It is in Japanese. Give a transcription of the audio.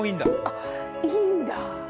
あっいいんだ。